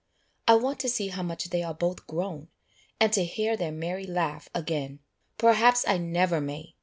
I want to see how much they are both grown, and to hear their merry laugh again. Perhaps I never may!